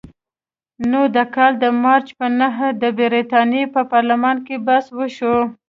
نو د کال د مارچ په نهمه د برتانیې په پارلمان کې بحث وشو.